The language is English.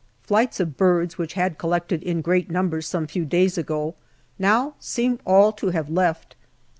Flights of birds, which had collected in great numbers some few days ago, now seem all to have left.